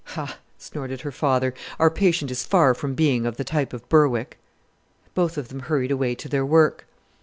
"Ha!" snorted her father. "Our patient is far from being of the type of Berwick!" Both of them hurried away to their work.